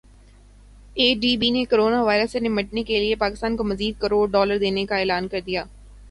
اے D B نے corona virus سے نمٹنے کیلئے پاکستان کو مزید کروڑ ڈالر دینے کا اعلان کردیا